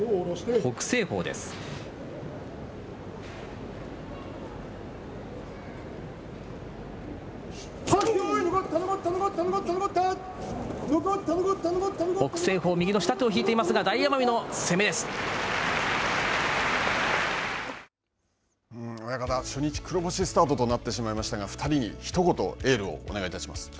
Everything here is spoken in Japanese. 北青鵬、右の下手を引いていますが親方、初日黒星スタートとなってしまいましたが、２人にひと言エールをお願いいたします。